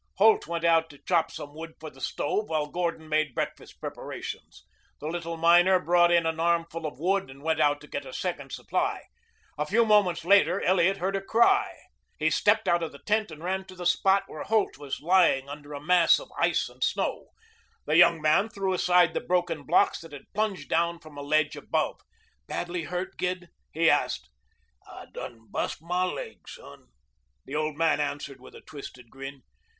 Holt went out to chop some wood for the stove while Gordon made breakfast preparations. The little miner brought in an armful of wood and went out to get a second supply. A few moments later Elliot heard a cry. He stepped out of the tent and ran to the spot where Holt was lying under a mass of ice and snow. The young man threw aside the broken blocks that had plunged down from a ledge above. "Badly hurt, Gid?" he asked. "I done bust my laig, son," the old man answered with a twisted grin.